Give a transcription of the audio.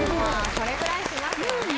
それぐらいしますよね